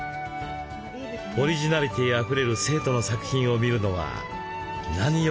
オリジナリティーあふれる生徒の作品を見るのは何よりの楽しみです。